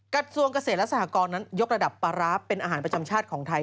กระทรวงเกษตรและสหกรนั้นยกระดับปลาร้าเป็นอาหารประจำชาติของไทย